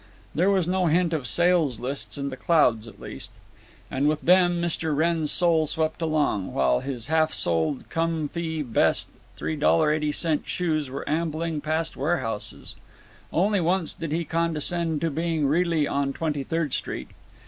There was no hint of sales lists in the clouds, at least. And with them Mr. Wrenn's soul swept along, while his half soled Cum Fee Best $3.80 shoes were ambling past warehouses. Only once did he condescend to being really on Twenty third Street.